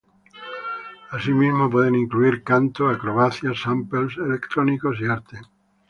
Asimismo, pueden incluir canto, acrobacias, "samples" electrónicos y arte.